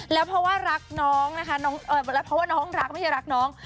แล้วเพราะว่ารักน้องนะคะเพราะว่าน้องรักไม่ใช่รักน้อง